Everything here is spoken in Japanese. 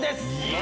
何？